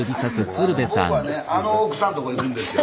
あの僕はねあの奥さんのとこ行くんですよ。